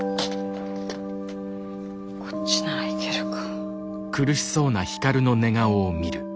こっちならいけるか。